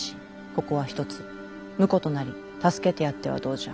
ここはひとつ婿となり助けてやってはどうじゃ。